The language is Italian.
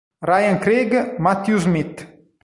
Ryan Craig Matthew Smith